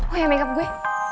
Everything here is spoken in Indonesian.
oh ya makeup gue